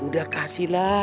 udah kasih lah